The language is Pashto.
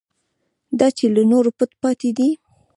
دا چې له نورو پټ پاتې دی.